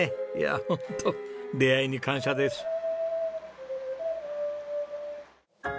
いやホント出会いに感謝です。